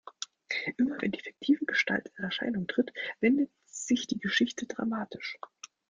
Immer wenn die fiktive Gestalt in Erscheinung tritt, wendet sich die Geschichte dramatisch.